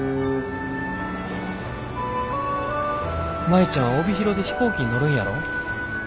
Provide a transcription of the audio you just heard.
「舞ちゃんは帯広で飛行機に乗るんやろ？